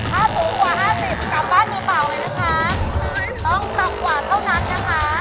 ๕๐กว่า๕๐กลับบ้านอยู่เปล่าไหมนะคะต้องต่อกว่าเท่านั้นนะคะ